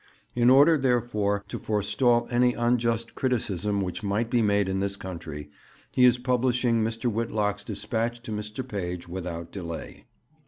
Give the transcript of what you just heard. In order, therefore, to forestall any unjust criticism which might be made in this country, he is publishing Mr. Whitlock's dispatch to Mr. Page without delay.'